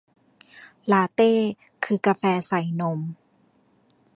ลาเต้ คือกาแฟใส่นม